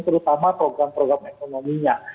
terutama program program ekonominya